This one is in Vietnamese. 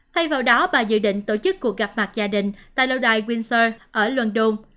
thay vào đó bà dự định tổ chức cuộc gặp mặt gia đình tại lâu đài winsur ở london